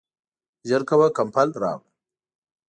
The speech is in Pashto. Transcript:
ژر کوه ، کمپل راوړه !